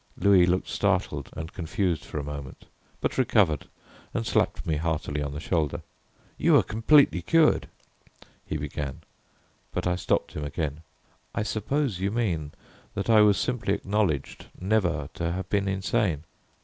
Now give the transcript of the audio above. Louis looked startled and confused for a moment, but recovered and slapped me heartily on the shoulder. "You were completely cured," he began; but I stopped him again. "I suppose you mean that I was simply acknowledged never to have been insane."